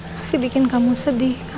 masih bikin kamu sedih kan